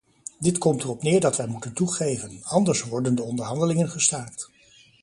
Dit komt erop neer dat wij moeten toegeven, anders worden de onderhandelingen gestaakt.